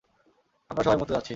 আমরা সবাই মরতে যাচ্ছি!